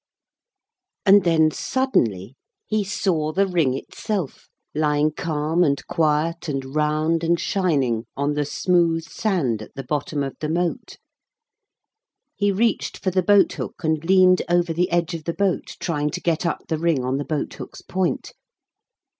And then suddenly he saw the ring itself, lying calm, and quiet, and round, and shining, on the smooth sand at the bottom of the moat. He reached for the boat hook and leaned over the edge of the boat trying to get up the ring on the boat hook's point.